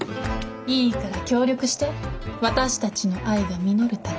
いいから協力して私たちの愛が実るために。